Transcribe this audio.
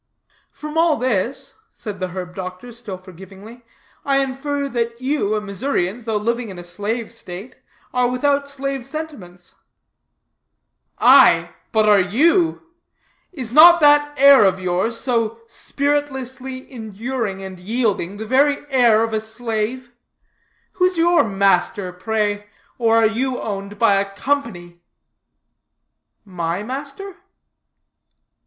"From all this," said the herb doctor, still forgivingly, "I infer, that you, a Missourian, though living in a slave state, are without slave sentiments." "Aye, but are you? Is not that air of yours, so spiritlessly enduring and yielding, the very air of a slave? Who is your master, pray; or are you owned by a company?" "My master?"